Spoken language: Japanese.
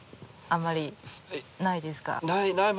あんまりないですね。